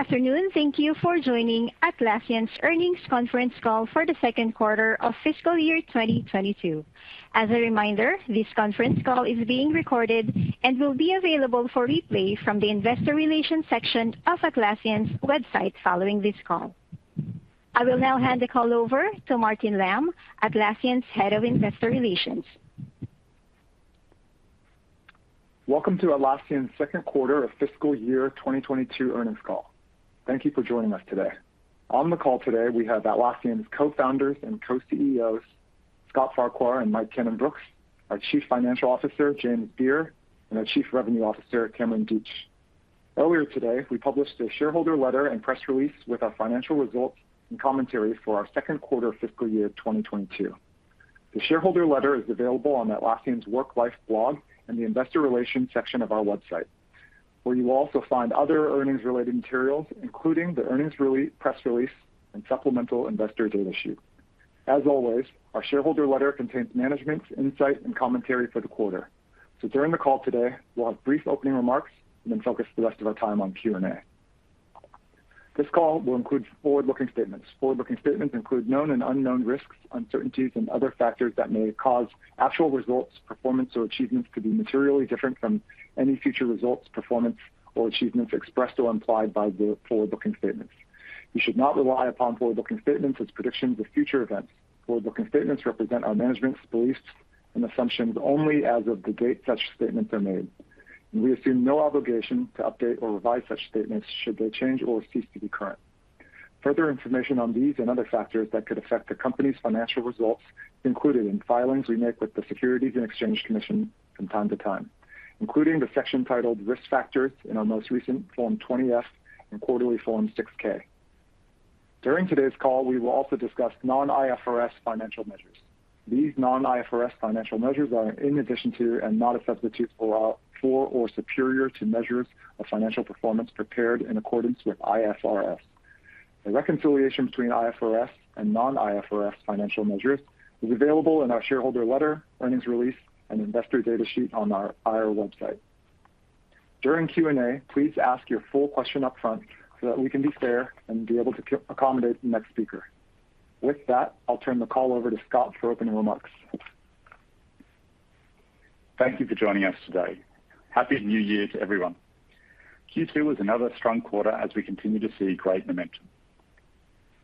Welcome to Atlassian's second quarter of fiscal year 2022 earnings call. Thank you for joining us today. On the call today, we have Atlassian's Co-Founders and Co-CEOs, Scott Farquhar and Mike Cannon-Brookes, our Chief Financial Officer, James Beer, and our Chief Revenue Officer, Cameron Deatsch. Earlier today, we published a shareholder letter and press release with our financial results and commentary for our second quarter fiscal year 2022. The shareholder letter is available on Atlassian's Work Life blog and the investor relations section of our website, where you will also find other earnings-related materials, including the press release and supplemental investor data sheet. As always, our shareholder letter contains management's insight and commentary for the quarter. During the call today, we'll have brief opening remarks and then focus the rest of our time on Q&A. This call will include forward-looking statements. Forward-looking statements include known and unknown risks, uncertainties, and other factors that may cause actual results, performance, or achievements to be materially different from any future results, performance, or achievements expressed or implied by the forward-looking statements. You should not rely upon forward-looking statements as predictions of future events. Forward-looking statements represent our management's beliefs and assumptions only as of the date such statements are made. We assume no obligation to update or revise such statements should they change or cease to be current. Further information on these and other factors that could affect the company's financial results is included in filings we make with the Securities and Exchange Commission from time to time, including the section titled Risk Factors in our most recent Form 20-F and quarterly Form 6-K. During today's call, we will also discuss non-IFRS financial measures. These non-IFRS financial measures are in addition to and not a substitute for or superior to measures of financial performance prepared in accordance with IFRS. The reconciliation between IFRS and non-IFRS financial measures is available in our shareholder letter, earnings release, and investor data sheet on our IR website. During Q&A, please ask your full question up front so that we can be fair and be able to accommodate the next speaker. With that, I'll turn the call over to Scott for opening remarks. Thank you for joining us today. Happy New Year to everyone. Q2 was another strong quarter as we continue to see great momentum.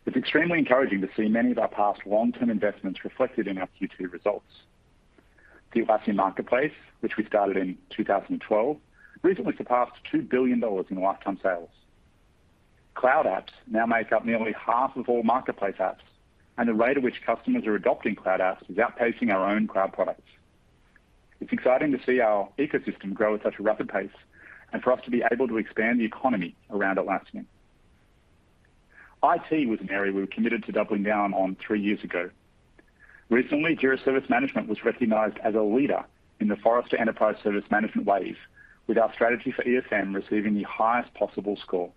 It's extremely encouraging to see many of our past long-term investments reflected in our Q2 results. The Atlassian Marketplace, which we started in 2012, recently surpassed $2 billion in lifetime sales. Cloud apps now make up nearly half of all Marketplace apps, and the rate at which customers are adopting cloud apps is outpacing our own cloud products. It's exciting to see our ecosystem grow at such a rapid pace and for us to be able to expand the economy around Atlassian. IT was an area we were committed to doubling down on three years ago. Recently, Jira Service Management was recognized as a leader in the Forrester Enterprise Service Management Wave, with our strategy for ESM receiving the highest possible score.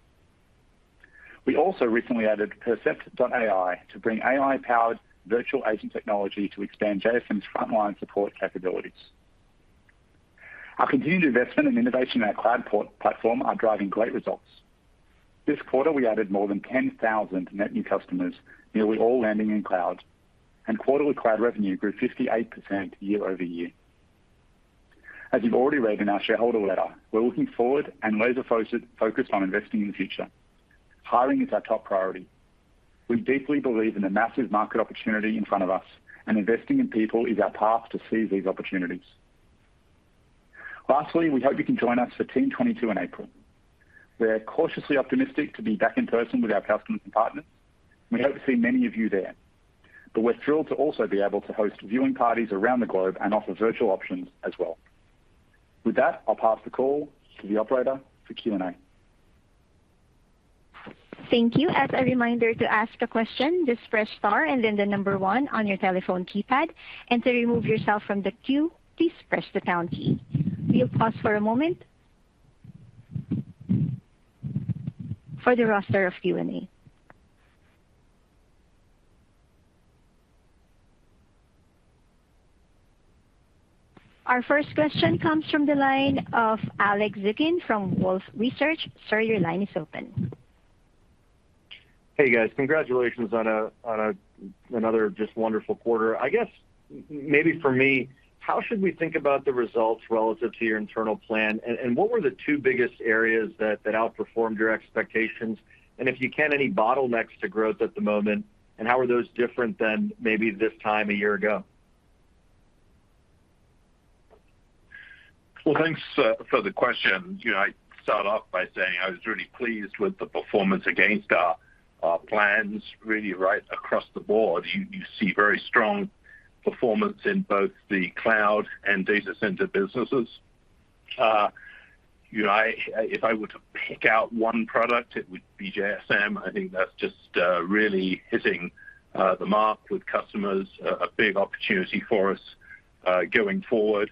We also recently added Percept.AI to bring AI-powered virtual agent technology to expand JSM's frontline support capabilities. Our continued investment and innovation in our cloud platform are driving great results. This quarter, we added more than 10,000 net new customers, nearly all landing in cloud, and quarterly cloud revenue grew 58% year-over-year. As you've already read in our shareholder letter, we're looking forward and laser focused on investing in the future. Hiring is our top priority. We deeply believe in the massive market opportunity in front of us, and investing in people is our path to seize these opportunities. Lastly, we hope you can join us for Team '22 in April. We're cautiously optimistic to be back in person with our customers and partners. We hope to see many of you there, but we're thrilled to also be able to host viewing parties around the globe and offer virtual options as well. With that, I'll pass the call to the operator for Q&A. Hello. Congratulations on another strong quarter. How should we think about the results relative to your internal plan? What were the two biggest areas that outperformed your expectations? If you can, any bottlenecks to growth at the moment, and how are those different than maybe this time a year ago? Well, thanks for the question. I would start by saying, I was really pleased with the performance against our plans really right across the board. You see very strong performance in both the cloud and data center businesses. If I were to pick out one product, it would be JSM. I think that's just really hitting the mark with customers, a big opportunity for us, going forward.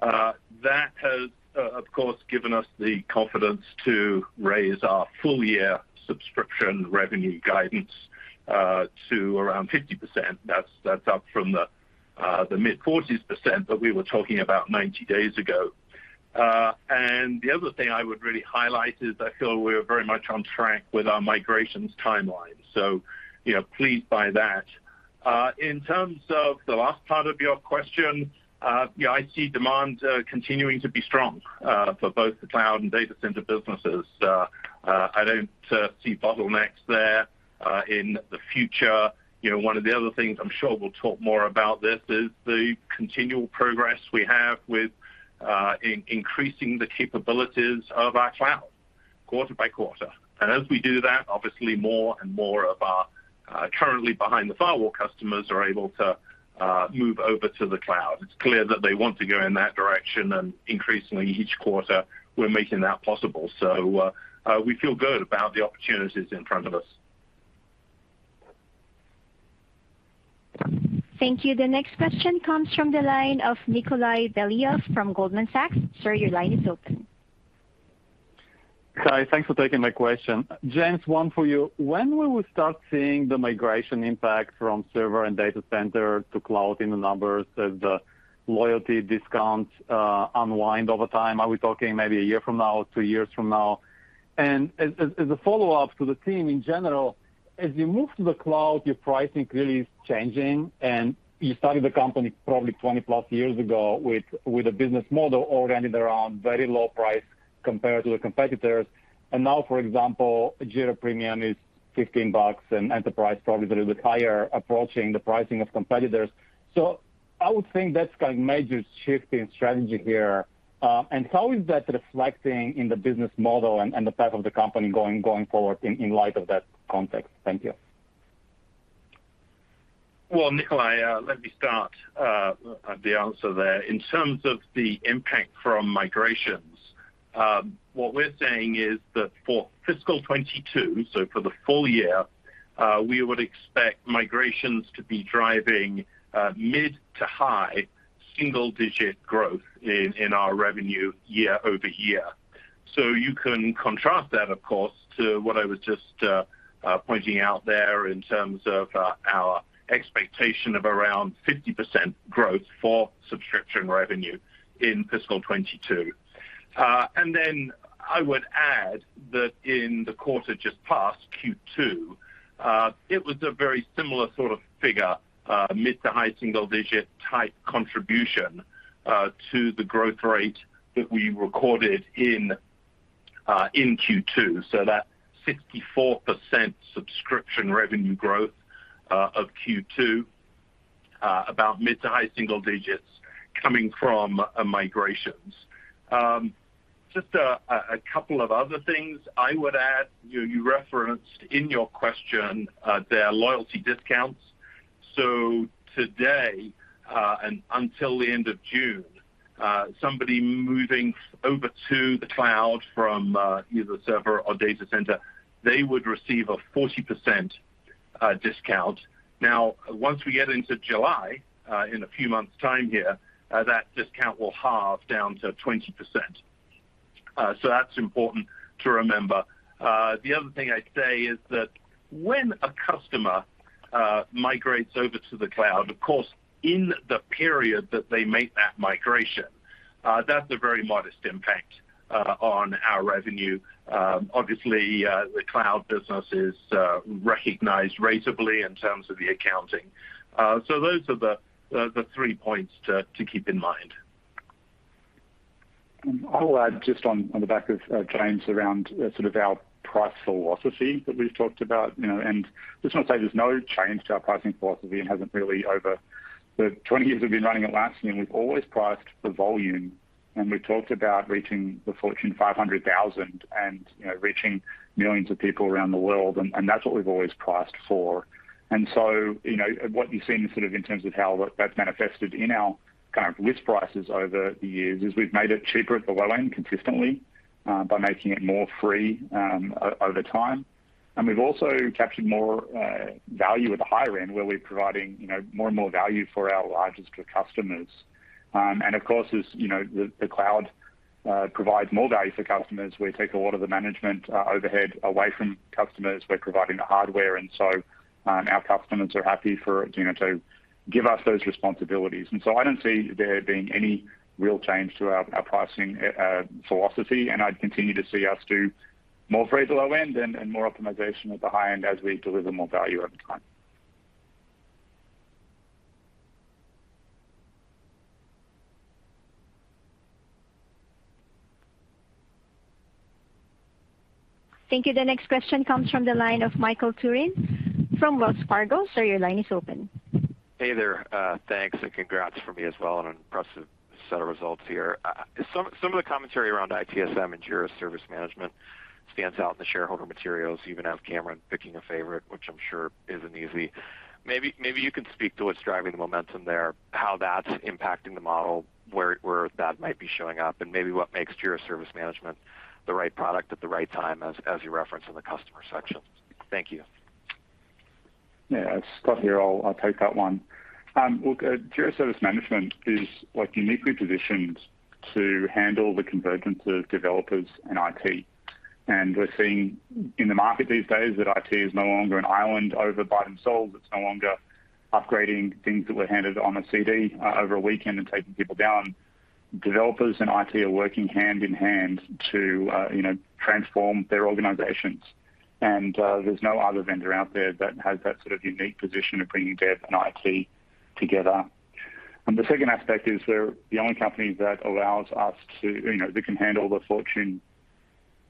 That has, of course, given us the confidence to raise our full-year subscription revenue guidance. To around 50%. That's up from the mid-40% range that we were talking about 90 days ago. The other thing I would really highlight is I feel we're very much on track with our migration timeline. You know, I'm pleased by that. In terms of the last part of your question, yeah, I see demand continuing to be strong for both the cloud and data center businesses. I don't see bottlenecks there in the future. You know, one of the other things I'm sure we'll talk more about is the continual progress we have with increasing the capabilities of our cloud, quarter by quarter. As we do that, obviously more and more of our currently behind the firewall customers are able to move over to the cloud. It's clear that they want to go in that direction, and increasingly each quarter we're making that possible. We feel good about the opportunities in front of us. Hi. Thanks for taking my question. James, one for you. When will we start seeing the migration impact from server and data center to cloud in the numbers as the loyalty discounts unwind over time? Are we talking maybe a year from now, two years from now? As a follow-up to the team in general, as you move to the cloud, your pricing really is changing, and you started the company probably 20+ years ago with a business model oriented around very low price compared to the competitors. And now, for example, Jira Premium is $15 and Enterprise probably a little bit higher, approaching the pricing of competitors. I would think that's a major shift in strategy here. How is that reflecting in the business model and the path of the company going forward in light of that context? Thank you. Well, Nikolay, let me start the answer there. In terms of the impact from migrations, what we're saying is that for fiscal 2022, so for the full year, we would expect migrations to be driving mid- to high single-digit growth in our revenue year over year. You can contrast that, of course, to what I was just pointing out there in terms of our expectation of around 50% growth for subscription revenue in fiscal 2022. I would add that in the quarter just passed, Q2, it was a very similar sort of figure, mid- to high single-digit type contribution to the growth rate that we recorded in Q2. That 64% subscription revenue growth of Q2, about mid- to high single digits coming from migrations. Just a couple of other things I would add. You referenced in your question the loyalty discounts. Today and until the end of June, somebody moving over to the cloud from either server or data center, they would receive a 40% discount. Now, once we get into July, in a few months' time here, that discount will halve down to 20%. That's important to remember. The other thing I'd say is that when a customer migrates over to the cloud, of course, in the period that they make that migration, that's a very modest impact on our revenue. Obviously, the cloud business is recognized ratably in terms of the accounting. Those are the three points to keep in mind. I'll add just on the back of James around sort of our pricing philosophy that we've talked about, you know. I just want to say there's no change to our pricing philosophy and hasn't really over the 20 years we've been running Atlassian. We've always priced for volume, and we've talked about reaching the Fortune 500,000 and, you know, reaching millions of people around the world, and that's what we've always priced for. What you've seen sort of in terms of how that's manifested in our kind of list prices over the years is we've made it cheaper at the low end consistently by making it more free over time. We've also captured more value at the higher end, where we're providing, you know, more and more value for our largest customers. Of course, as you know, the cloud provides more value for customers. We take a lot of the management overhead away from customers. We're providing the hardware, and so our customers are happy for, you know, to give us those responsibilities. I don't see there being any real change to our pricing philosophy, and I'd continue to see us do more free at the low end and more optimization at the high end as we deliver more value over time. Hey there. Thanks, and congrats from me as well on an impressive set of results here. Some of the commentary around ITSM and Jira Service Management stands out in the shareholder materials. You even have Cameron picking a favorite, which I'm sure isn't easy. Maybe you can speak to what's driving the momentum there, how that's impacting the model, where that might be showing up, and maybe what makes Jira Service Management the right product at the right time as you reference in the customer section. Thank you. Yeah. Scott here. I'll take that one. Look, Jira Service Management is, like, uniquely positioned To handle the convergence of developers and IT. We're seeing in the market these days that IT is no longer an island unto themselves. It's no longer upgrading things that were handed on a CD over a weekend and taking people down. Developers and IT are working hand in hand to you know transform their organizations. There's no other vendor out there that has that sort of unique position of bringing dev and IT together. The second aspect is they're the only company that allows us to you know that can handle the Fortune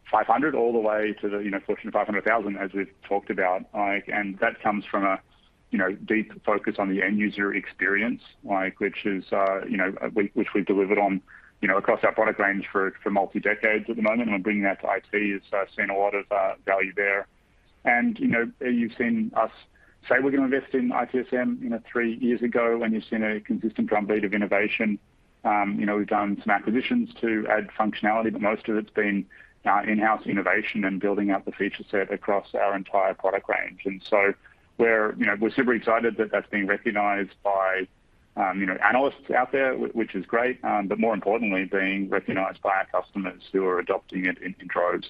500 all the way to the you know Fortune 500,000 as we've talked about. That comes from a deep focus on the end user experience, like, which is, you know, which we've delivered on, you know, across our product range for multiple decades at the moment. Bringing that to IT has seen a lot of value there. You know, you've seen us say we're going to invest in ITSM, you know, three years ago, and you've seen a consistent drumbeat of innovation. You know, we've done some acquisitions to add functionality, but most of it's been in-house innovation and building out the feature set across our entire product range. We're, you know, super excited that that's being recognized by, you know, analysts out there, which is great, but more importantly, being recognized by our customers who are adopting it in droves.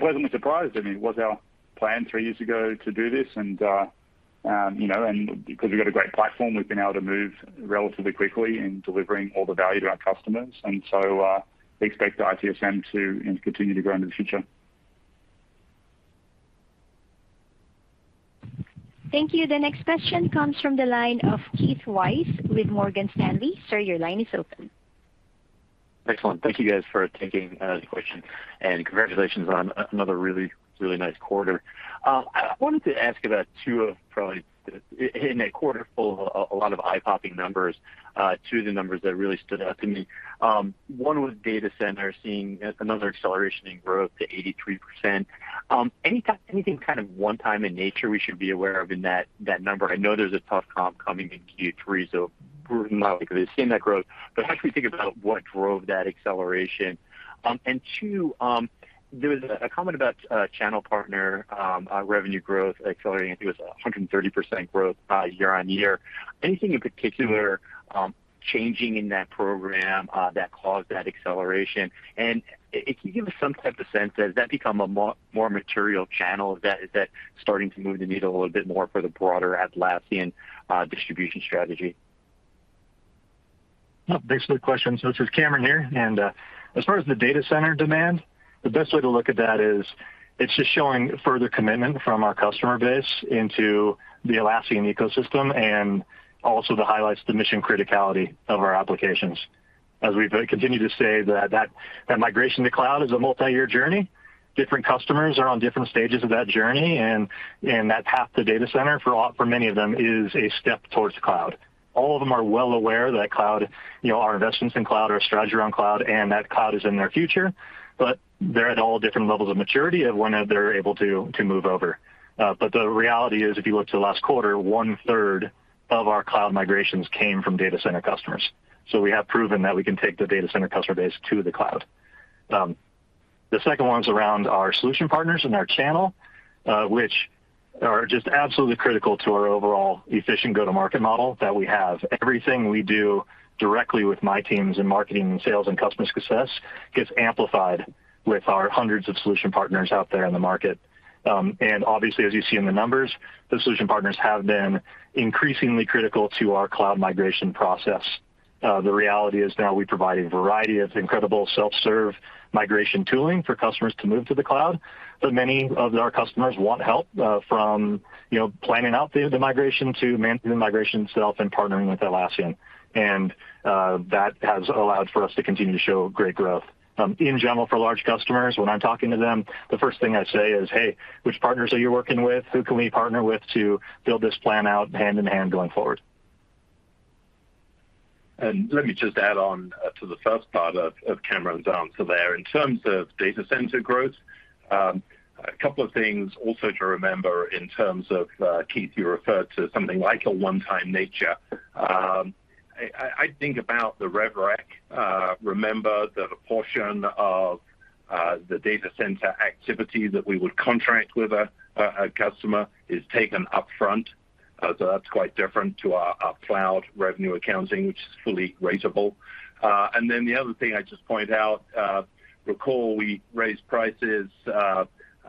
Pleasantly surprised. I mean, it was our plan three years ago to do this and because we've got a great platform, we've been able to move relatively quickly in delivering all the value to our customers. We expect ITSM to continue to grow into the future. Excellent. Thank you guys for taking the question, and congratulations on another really really nice quarter. I wanted to ask about two of probably in a quarter full of a lot of eye-popping numbers two of the numbers that really stood out to me. One was Data Center seeing another acceleration in growth to 83%. Anything kind of one time in nature we should be aware of in that number? I know there's a tough comp coming in Q3, so proving unlikely they've seen that growth. But how do we think about what drove that acceleration? Two, there was a comment about channel partner revenue growth accelerating. I think it was 130% growth year-over-year. Anything in particular changing in that program that caused that acceleration? And if you give us some type of sense, has that become a more material channel? Is that starting to move the needle a little bit more for the broader Atlassian distribution strategy? Thanks for the question. This is Cameron here. As far as the data center demand, the best way to look at that is it's just showing further commitment from our customer base into the Atlassian ecosystem and also the highlights, the mission criticality of our applications. As we continue to say that migration to cloud is a multi-year journey. Different customers are on different stages of that journey, and that path to data center for many of them is a step towards cloud. All of them are well aware that cloud, you know, our investments in cloud, our strategy around cloud, and that cloud is in their future, but they're at all different levels of maturity of when they're able to move over. The reality is, if you look to the last quarter, one-third of our cloud migrations came from data center customers. We have proven that we can take the data center customer base to the cloud. The second one is around our solution partners and our channel, which are just absolutely critical to our overall efficient go-to-market model that we have. Everything we do directly with my teams in marketing, sales, and customer success gets amplified with our hundreds of solution partners out there in the market. Obviously, as you see in the numbers, the solution partners have been increasingly critical to our cloud migration process. The reality is now we provide a variety of incredible self-serve migration tooling for customers to move to the cloud. Many of our customers want help from you know planning out the migration to managing the migration itself and partnering with Atlassian. That has allowed for us to continue to show great growth. In general, for large customers, when I'm talking to them, the first thing I say is, "Hey, which partners are you working with? Who can we partner with to build this plan out hand in hand going forward? Let me just add on to the first part of Cameron's answer there. In terms of data center growth, a couple of things also to remember in terms of Keith, you referred to something like a one-time nature. I think about the revenue recognition. Remember the portion of the data center activity that we would contract with a customer is taken upfront. So that's quite different to our cloud revenue accounting, which is fully ratable. Then the other thing I'd just point out, recall we raised prices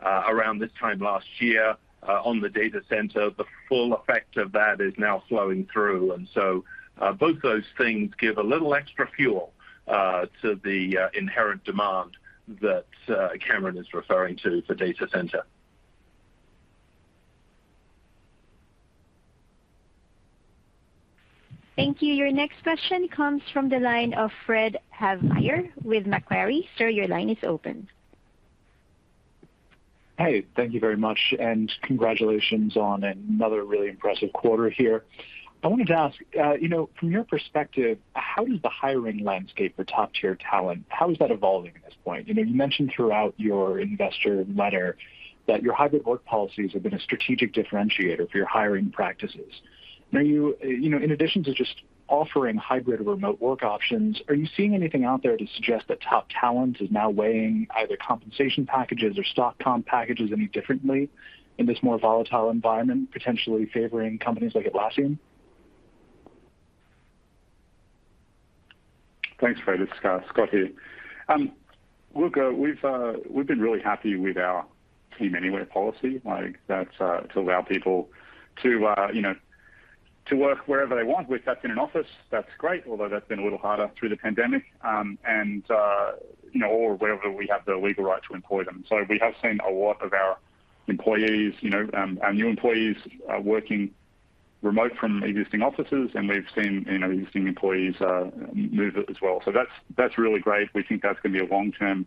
around this time last year on the data center. The full effect of that is now flowing through. Both those things give a little extra fuel to the inherent demand that Cameron is referring to for data center. Hey, thank you very much, and congratulations on another really impressive quarter here. I wanted to ask, you know, from your perspective, how does the hiring landscape for top-tier talent, how is that evolving at this point? You know, you mentioned throughout your investor letter that your hybrid work policies have been a strategic differentiator for your hiring practices. Now, you know, in addition to just offering hybrid or remote work options, are you seeing anything out there to suggest that top talent is now weighing either compensation packages or stock comp packages any differently in this more volatile environment, potentially favoring companies like Atlassian? Thanks, Fred. It's Scott here. Look, we've been really happy with our Team Anywhere policy, like that's to allow people to you know, to work wherever they want. If that's in an office, that's great, although that's been a little harder through the pandemic, and you know, or wherever we have the legal right to employ them. So we have seen a lot of our employees, you know, our new employees working remote from existing offices, and we've seen you know, existing employees move as well. So that's really great. We think that's gonna be a long-term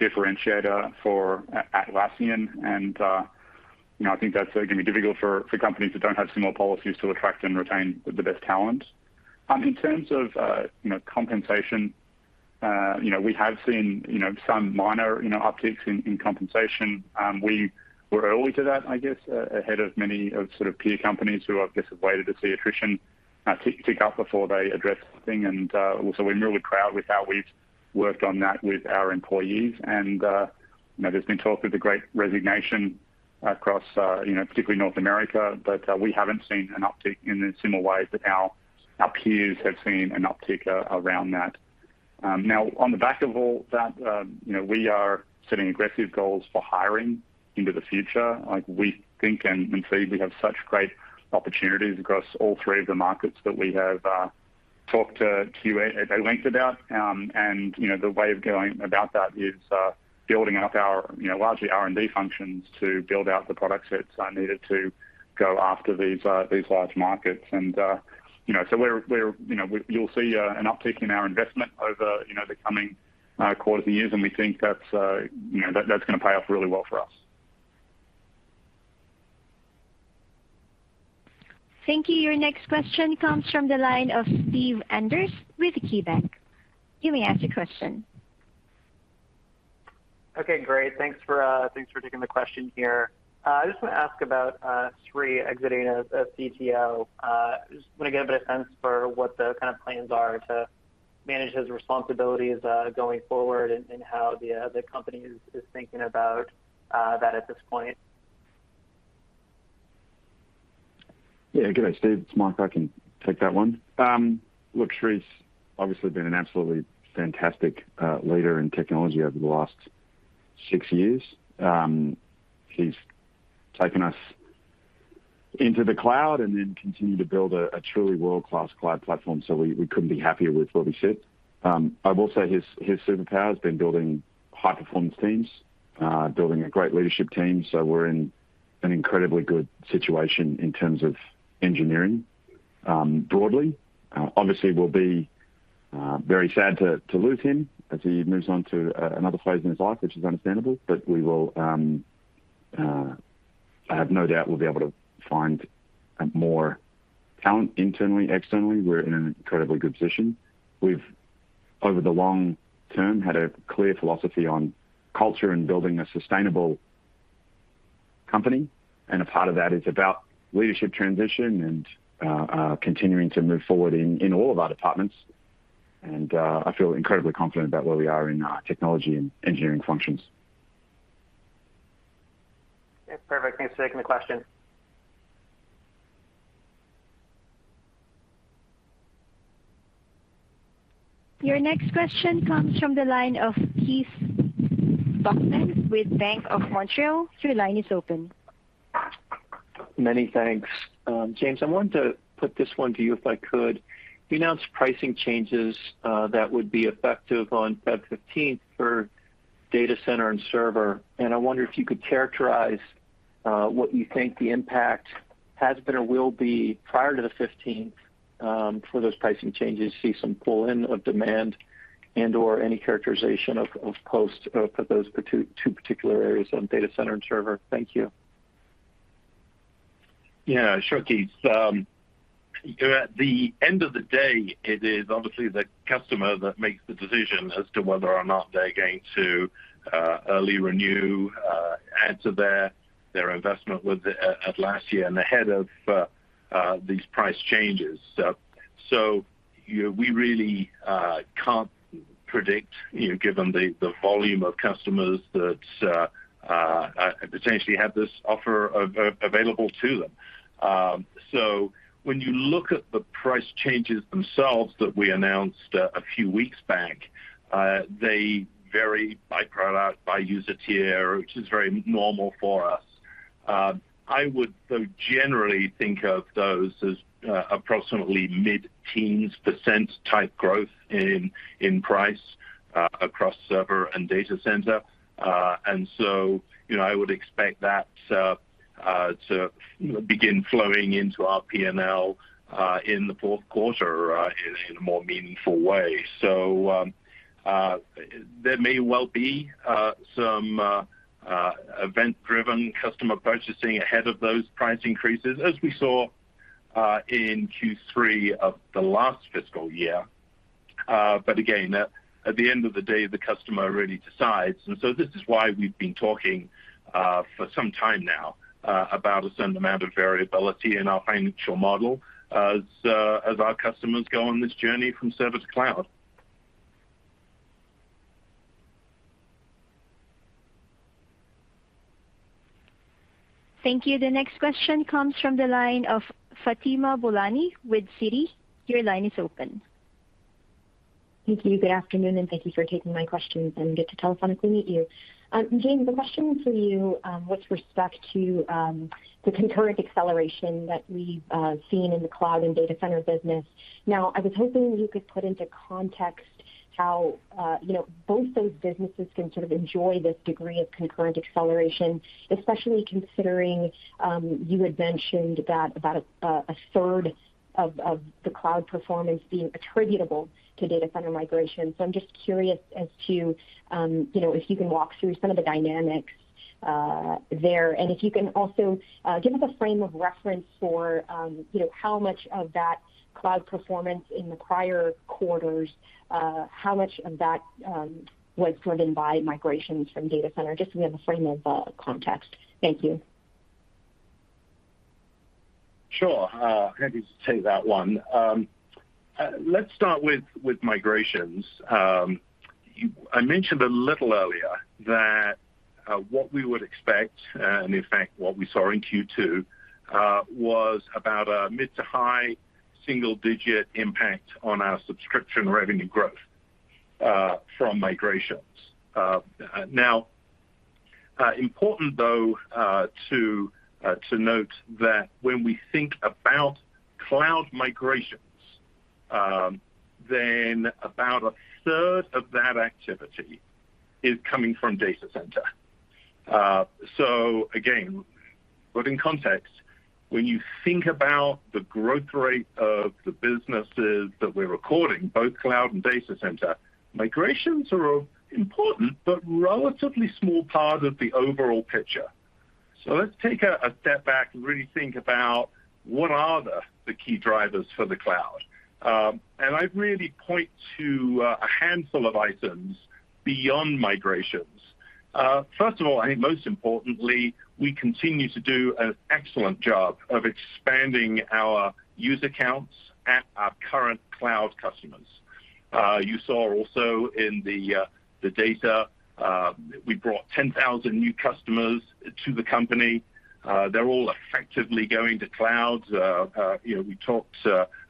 differentiator for Atlassian, and you know, I think that's gonna be difficult for companies that don't have similar policies to attract and retain the best talent. In terms of, you know, compensation, you know, we have seen, you know, some minor, you know, upticks in compensation. We were early to that, I guess, ahead of many of sort of peer companies who I guess have waited to see attrition tick up before they address the thing. So we're really proud with how we've worked on that with our employees. You know, there's been talk of the Great Resignation across, you know, particularly North America, but we haven't seen an uptick in the similar way that our peers have seen an uptick around that. Now on the back of all that, you know, we are setting aggressive goals for hiring into the future. Like we think and see we have such great opportunities across all three of the markets that we have talked to Q&A at length about. You know, the way of going about that is building up our, you know, largely R&D functions to build out the product sets that are needed to go after these large markets. You'll see an uptick in our investment over, you know, the coming quarters and years, and we think that's, you know, that's gonna pay off really well for us. Okay, great. Thanks for taking the question here. I just want to ask about Sri exiting as CTO. Just want to get a bit of sense for what the kind of plans are to manage his responsibilities going forward and how the company is thinking about that at this point. Yeah. Good day, Steve. It's Mike. I can take that one. Look, Sri's obviously been an absolutely fantastic leader in technology over the last six years. He's taken us into the cloud and then continued to build a truly world-class cloud platform, so we couldn't be happier with what he's done. I will say his superpower has been building high-performance teams, building a great leadership team. We're in an incredibly good situation in terms of engineering, broadly. Obviously, we'll be very sad to lose him as he moves on to another phase in his life, which is understandable. We will. I have no doubt we'll be able to find more talent internally, externally. We're in an incredibly good position. We've over the long term had a clear philosophy on culture and building a sustainable company, and a part of that is about leadership transition and continuing to move forward in all of our departments. I feel incredibly confident about where we are in our technology and engineering functions. Yeah. Perfect. Thanks for taking the question. Many thanks. James, I wanted to put this one to you, if I could. You announced pricing changes that would be effective on February 15th for data center and server. I wonder if you could characterize what you think the impact has been or will be prior to the 15th for those pricing changes to see some pull-in of demand and or any characterization of post for those two particular areas on data center and server. Thank you. Yeah, sure, Keith. You know, at the end of the day, it is obviously the customer that makes the decision as to whether or not they're going to early renew, add to their investment with Atlassian ahead of these price changes. We really can't predict, you know, given the volume of customers that potentially have this offer available to them. When you look at the price changes themselves that we announced a few weeks back, they vary by product, by user tier, which is very normal for us. I would though generally think of those as approximately mid-teens % type growth in price across server and data center. you know, I would expect that to you know, begin flowing into our P&L in the fourth quarter in a more meaningful way. There may well be some event-driven customer purchasing ahead of those price increases, as we saw in Q3 of the last fiscal year. Again, at the end of the day, the customer really decides. This is why we've been talking for some time now about a certain amount of variability in our financial model as our customers go on this journey from server to cloud. Thank you. Good afternoon, and thank you for taking my questions, and good to telephonically meet you. James, a question for you, with respect to the concurrent acceleration that we've seen in the cloud and data center business. Now, I was hoping you could put into context how, you know, both those businesses can sort of enjoy this degree of concurrent acceleration, especially considering you had mentioned that about a third of the cloud performance being attributable to data center migration. I'm just curious as to, you know, if you can walk through some of the dynamics, there, and if you can also give us a frame of reference for, you know, how much of that cloud performance in the prior quarters, how much of that was driven by migrations from data center, just so we have a frame of context? Thank you. Sure. Happy to take that one. Let's start with migrations. I mentioned a little earlier that what we would expect and in fact what we saw in Q2 was about a mid- to high single-digit impact on our subscription revenue growth from migrations. Now, important though, to note that when we think about cloud migrations, then about a third of that activity is coming from data center. Again, put in context, when you think about the growth rate of the businesses that we're recording, both cloud and data center, migrations are important but relatively small part of the overall picture. Let's take a step back and really think about what are the key drivers for the cloud? I'd really point to a handful of items beyond migrations. First of all, I think most importantly, we continue to do an excellent job of expanding our user counts at our current cloud customers. You saw also in the data we brought 10,000 new customers to the company. They're all effectively going to cloud. You know, we talked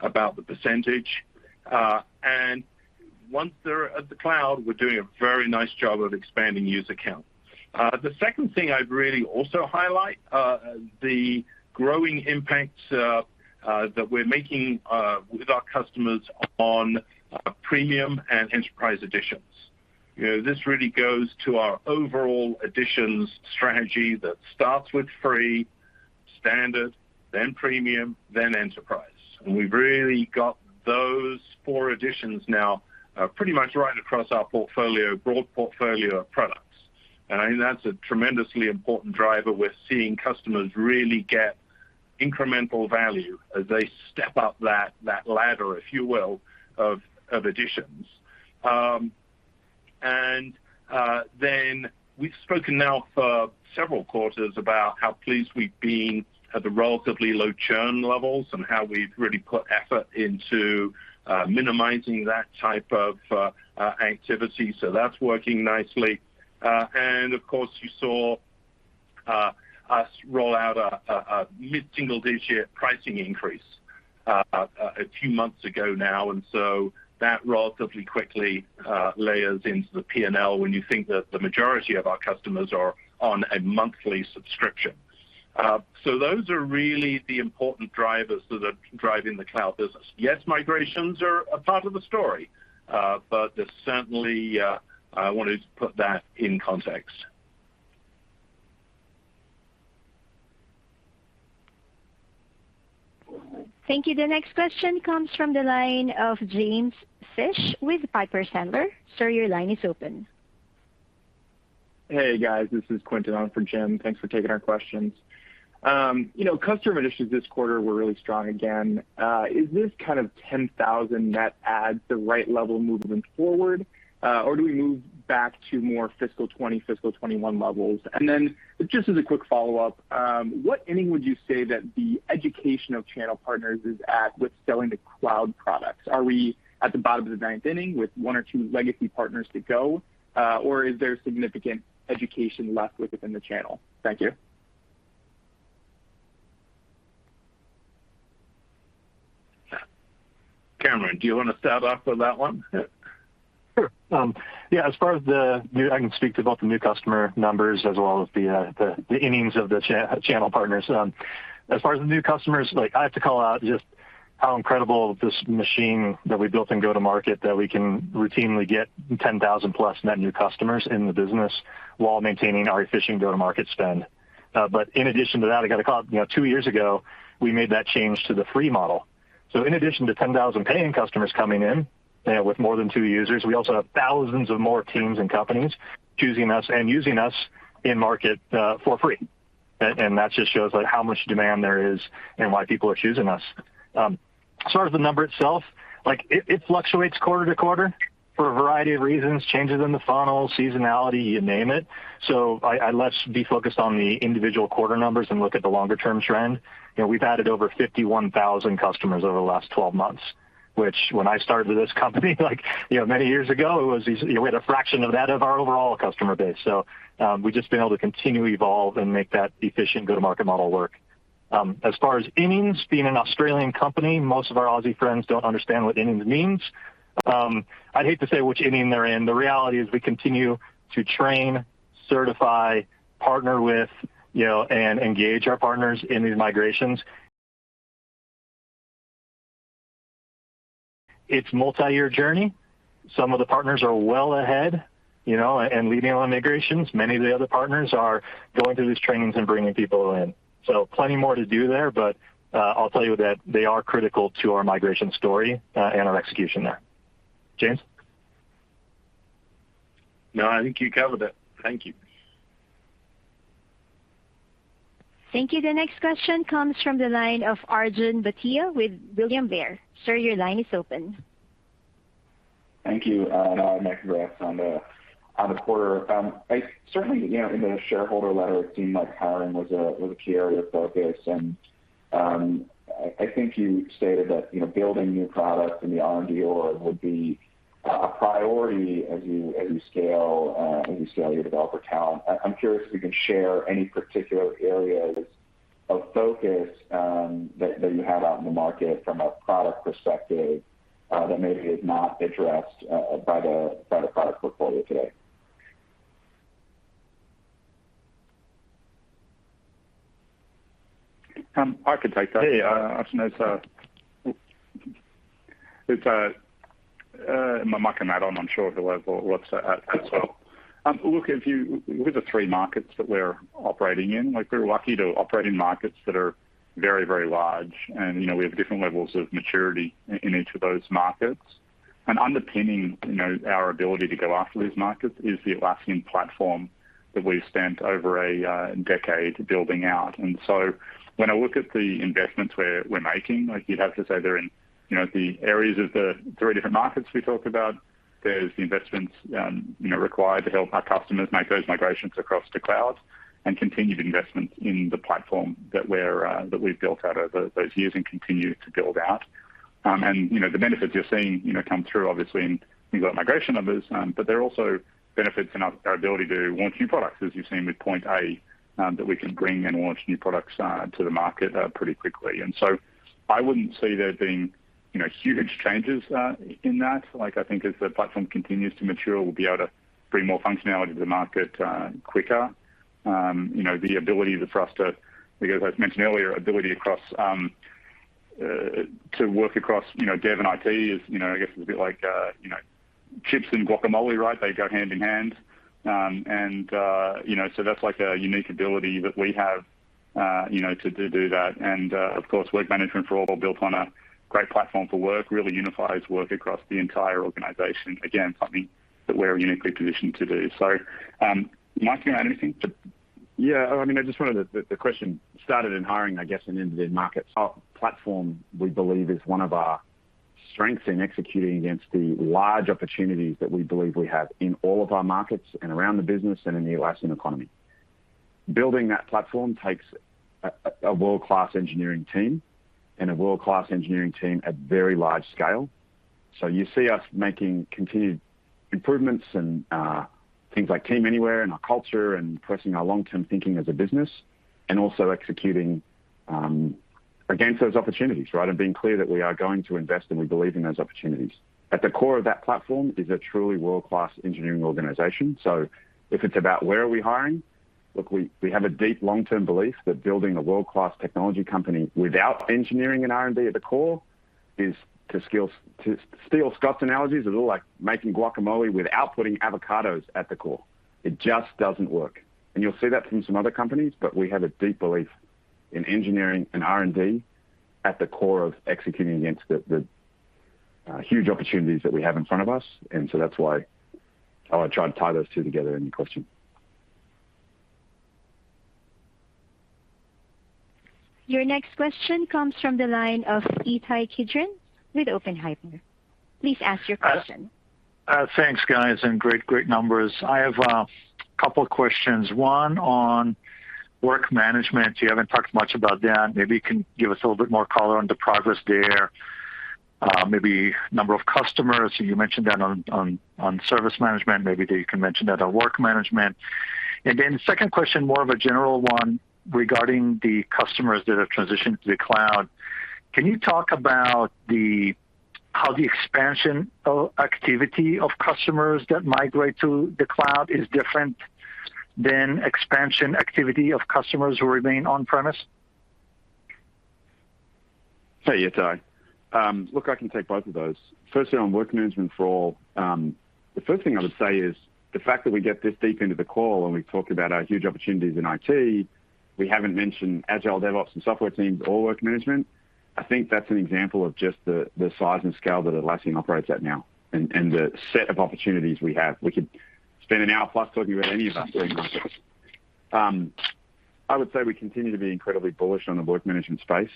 about the percentage. Once they're at the cloud, we're doing a very nice job of expanding user count. The second thing I'd really also highlight the growing impact that we're making with our customers on Premium and Enterprise editions. You know, this really goes to our overall editions strategy that starts with Free, Standard, then Premium, then Enterprise. We've really got those four editions now, pretty much right across our portfolio, broad portfolio of products. I think that's a tremendously important driver. We're seeing customers really get incremental value as they step up that ladder, if you will, of editions. We've spoken now for several quarters about how pleased we've been at the relatively low churn levels and how we've really put effort into minimizing that type of activity. That's working nicely. Of course, you saw us roll out a mid-single-digit pricing increase a few months ago now, and that relatively quickly layers into the P&L when you think that the majority of our customers are on a monthly subscription. Those are really the important drivers that are driving the cloud business. Yes, migrations are a part of the story, but there's certainly, I wanted to put that in context. Hey, guys. This is Rob Owens on for Jim. Thanks for taking our questions. You know, customer initiatives this quarter were really strong again. Is this kind of 10,000 net add the right level of movement forward, or do we move back to more fiscal 2020, fiscal 2021 levels? Just as a quick follow-up, what inning would you say that the education of channel partners is at with selling the cloud products? Are we at the bottom of the ninth inning with one or two legacy partners to go, or is there significant education left within the channel? Thank you. Cameron, do you wanna start off with that one? Sure. Yeah, as far as the new customer numbers as well as the innings of the channel partners. I can speak to both. As far as the new customers, like, I have to call out just how incredible this machine that we built in go-to-market that we can routinely get 10,000+ net new customers in the business while maintaining our efficient go-to-market spend. But in addition to that, I gotta call out, two years ago, we made that change to the free model. In addition to 10,000 paying customers coming in with more than 2 users, we also have thousands of more teams and companies choosing us and using us in market for free. That just shows, like, how much demand there is and why people are choosing us. As far as the number itself, like, it fluctuates quarter to quarter for a variety of reasons, changes in the funnel, seasonality. I'd be less focused on the individual quarter numbers and look at the longer term trend. You know, we've added over 51,000 customers over the last 12 months. Which when I started with this company, like, you know, many years ago, it was easy. We had a fraction of that of our overall customer base. We've just been able to continue to evolve and make that efficient go-to-market model work. As far as innings, being an Australian company, most of our Aussie friends don't understand what innings means. I'd hate to say which inning they're in. The reality is we continue to train, certify, partner with, you know, and engage our partners in these migrations. It's multi-year journey. Some of the partners are well ahead, you know, and leading on migrations. Many of the other partners are going through these trainings and bringing people in. Plenty more to do there. I'll tell you that they are critical to our migration story, and our execution there. James? No, I think you covered it. Thank you. Thank you. My congrats on the quarter. I certainly, you know, in the shareholder letter, it seemed like hiring was a key area of focus. I think you stated that, you know, building new product in the R&D org would be a priority as you scale your developer talent. I'm curious if you can share any particular areas of focus that you have out in the market from a product perspective that maybe is not addressed by the product portfolio today. I could take that. Yeah, yeah. Arjun, it's Mike and Adam, I'm sure who wants to add as well. Look, with the three markets that we're operating in, like we're lucky to operate in markets that are very, very large. You know, we have different levels of maturity in each of those markets. Underpinning, you know, our ability to go after these markets is the Atlassian platform that we've spent over a decade building out. When I look at the investments we're making, like, you'd have to say they're in, you know, the areas of the three different markets we talked about. There's the investments, you know, required to help our customers make those migrations across to cloud, and continued investment in the platform that we've built out over those years and continue to build out. You know, the benefits you're seeing, you know, come through obviously in, you've got migration numbers. But there are also benefits in our ability to launch new products, as you've seen with Point A, that we can bring and launch new products, to the market, pretty quickly. I wouldn't see there being, you know, huge changes, in that. Like, I think as the platform continues to mature, we'll be able to bring more functionality to the market, quicker. You know, the ability for us to work across, you know, dev and IT is, you know, I guess it's a bit like, you know, chips and guacamole, right? They go hand in hand. You know, that's like a unique ability that we have, you know, to do that. Of course, work management for all built on a great platform for work really unifies work across the entire organization. Again, something that we're uniquely positioned to do. Mike, do you want to add anything? Yeah. I mean, I just wanted to. The question started in hiring, I guess, and ended in markets. Our platform, we believe, is one of our strengths in executing against the large opportunities that we believe we have in all of our markets and around the business and in the Atlassian economy. Building that platform takes a world-class engineering team at very large scale. You see us making continued improvements and things like Team Anywhere and our culture and pressing our long-term thinking as a business and also executing against those opportunities, right? Being clear that we are going to invest, and we believe in those opportunities. At the core of that platform is a truly world-class engineering organization. If it's about where are we hiring, look, we have a deep long-term belief that building a world-class technology company without engineering and R&D at the core to steal Scott's analogies, is a little like making guacamole without putting avocados at the core. It just doesn't work. You'll see that from some other companies. We have a deep belief in engineering and R&D at the core of executing against the huge opportunities that we have in front of us. That's why I want to try and tie those two together in your question. Thanks, guys, and great numbers. I have a couple questions, one on work management. You haven't talked much about that. Maybe you can give us a little bit more color on the progress there. Maybe number of customers. You mentioned that on service management. Maybe you can mention that on work management. Then second question, more of a general one regarding the customers that have transitioned to the cloud. Can you talk about how the expansion activity of customers that migrate to the cloud is different than expansion activity of customers who remain on-premises? Hey, Ittai. Look, I can take both of those. Firstly, on work management for all, the first thing I would say is the fact that we get this deep into the call and we talk about our huge opportunities in IT, we haven't mentioned agile DevOps and software teams or work management. I think that's an example of just the size and scale that Atlassian operates at now and the set of opportunities we have. We could spend an hour plus talking about any of our three markets. I would say we continue to be incredibly bullish on the work management space.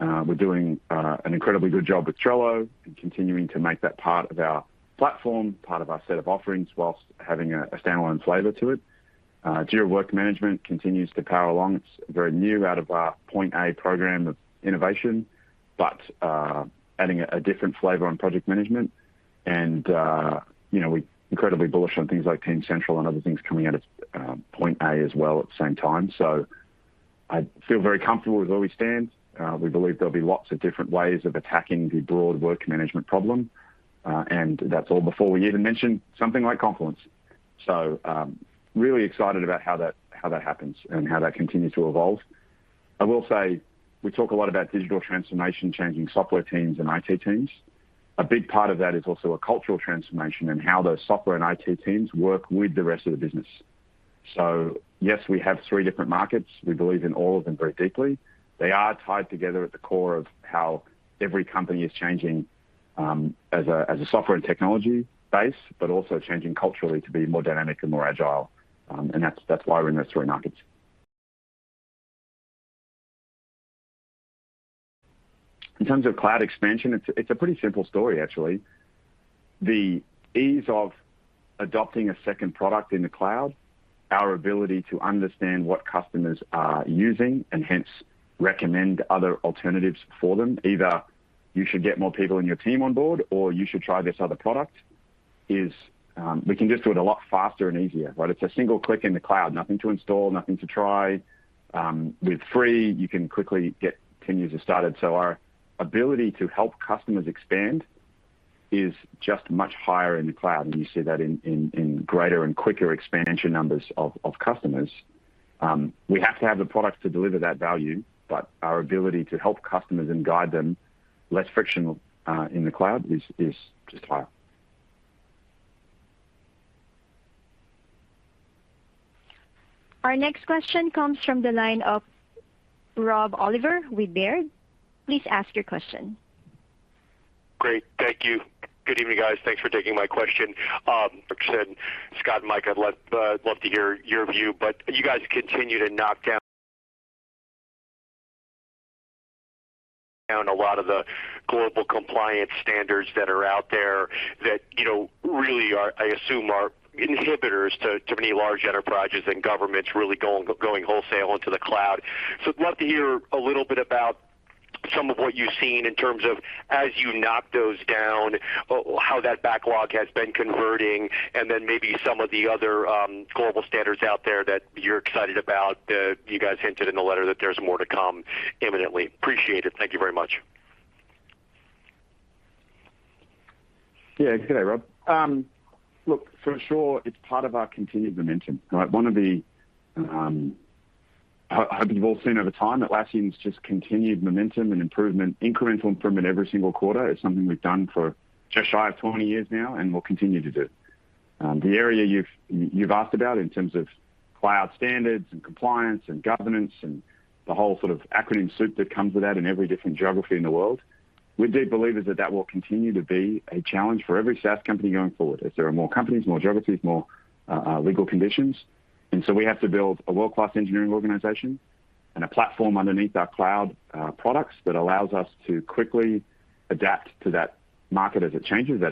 We're doing an incredibly good job with Trello and continuing to make that part of our platform, part of our set of offerings while having a standalone flavor to it. Jira Work Management continues to power along. It's very new out of our Point A program of innovation, but adding a different flavor on project management and you know, we're incredibly bullish on things like Team Central and other things coming out of Point A as well at the same time. I feel very comfortable with where we stand. We believe there'll be lots of different ways of attacking the broad work management problem, and that's all before we even mention something like Confluence. Really excited about how that happens and how that continues to evolve. I will say we talk a lot about digital transformation changing software teams and IT teams. A big part of that is also a cultural transformation and how those software and IT teams work with the rest of the business. Yes, we have three different markets. We believe in all of them very deeply. They are tied together at the core of how every company is changing, as a software and technology base, but also changing culturally to be more dynamic and more agile, and that's why we're in those three markets. In terms of cloud expansion, it's a pretty simple story actually. The ease of adopting a second product in the cloud, our ability to understand what customers are using and hence recommend other alternatives for them, either you should get more people in your team on board or you should try this other product, is we can just do it a lot faster and easier, right? It's a single click in the cloud, nothing to install, nothing to try. With free, you can quickly get 10 users started. Our ability to help customers expand is just much higher in the cloud, and you see that in greater and quicker expansion numbers of customers. We have to have the products to deliver that value, but our ability to help customers and guide them less frictional in the cloud is just higher. Great. Thank you. Good evening, guys. Thanks for taking my question. Scott and Mike, I'd love to hear your view, but you guys continue to knock down a lot of the global compliance standards that are out there that, you know, really are, I assume are inhibitors to many large enterprises and governments really going wholesale into the cloud. So I'd love to hear a little bit about some of what you've seen in terms of as you knock those down, how that backlog has been converting and then maybe some of the other global standards out there that you're excited about. You guys hinted in the letter that there's more to come imminently. Appreciate it. Thank you very much. Yeah. Good day, Rob. Look, for sure it's part of our continued momentum, right? Hope you've all seen over time Atlassian's just continued momentum and improvement, incremental improvement every single quarter is something we've done for just shy of 20 years now and will continue to do. The area you've asked about in terms of cloud standards and compliance and governance and the whole sort of acronym soup that comes with that in every different geography in the world, we're deep believers that that will continue to be a challenge for every SaaS company going forward as there are more companies, more geographies, more legal conditions. We have to build a world-class engineering organization and a platform underneath our cloud products that allows us to quickly adapt to that market as it changes,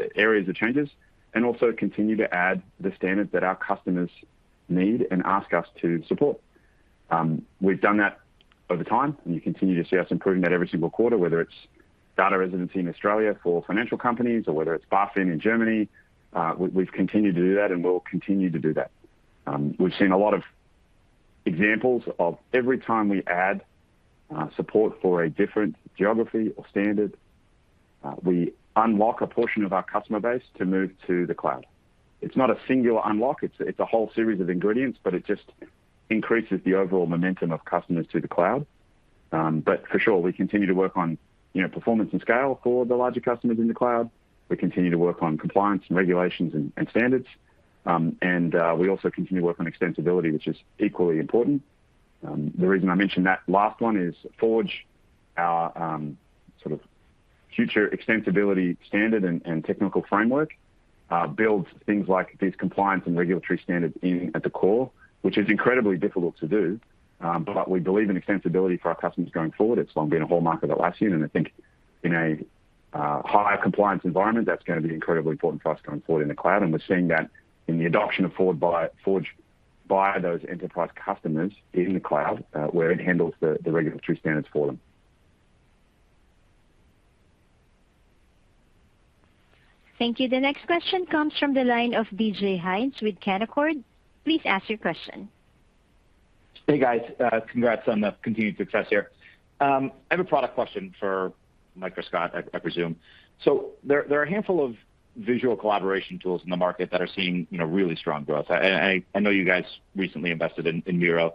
and also continue to add the standards that our customers need and ask us to support. We've done that over time, and you continue to see us improving that every single quarter, whether it's data residency in Australia for financial companies or whether it's BaFin in Germany. We've continued to do that and we'll continue to do that. We've seen a lot of examples of every time we add support for a different geography or standard, we unlock a portion of our customer base to move to the cloud. It's not a singular unlock, it's a whole series of ingredients, but it just increases the overall momentum of customers to the cloud. For sure, we continue to work on, you know, performance and scale for the larger customers in the cloud. We continue to work on compliance and regulations and standards. We also continue to work on extensibility, which is equally important. The reason I mention that last one is Forge, our sort of future extensibility standard and technical framework builds things like these compliance and regulatory standards in at the core, which is incredibly difficult to do. We believe in extensibility for our customers going forward. It's long been a hallmark of Atlassian, and I think in a higher compliance environment, that's gonna be incredibly important for us going forward in the cloud. We're seeing that in the adoption of Forge by those enterprise customers in the cloud, where it handles the regulatory standards for them. Hey, guys. Congrats on the continued success here. I have a product question for Mike or Scott, I presume. There are a handful of visual collaboration tools in the market that are seeing, you know, really strong growth. I know you guys recently invested in Miro.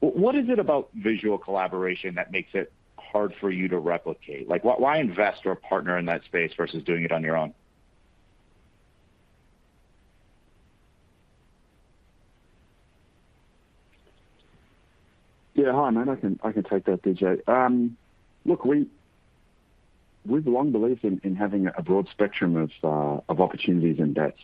What is it about visual collaboration that makes it hard for you to replicate? Like, why invest or partner in that space versus doing it on your own? Yeah. Hi, man. I can take that, DJ. Look, we've long believed in having a broad spectrum of opportunities and bets.